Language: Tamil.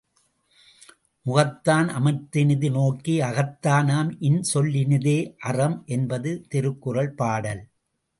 முகத்தான் அமர்ந்தினிது நோக்கி அகத்தானாம் இன்சொலினதே அறம் என்பது திருக்குறள் பாடல்.